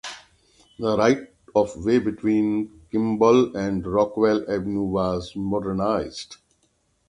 The right-of-way between Kimball and Rockwell Avenue was modernized.